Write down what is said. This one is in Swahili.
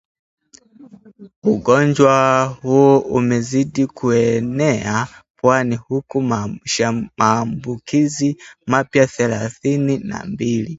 ugonjwa huu umezidi kuenea pwani huku maambukizi mapya thelathini na mbili